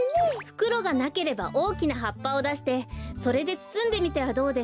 ふくろがなければおおきなはっぱをだしてそれでつつんでみてはどうですか？